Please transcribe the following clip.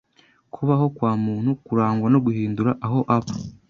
Kubaho kwa muntu kurangwa no guhindura aho aba,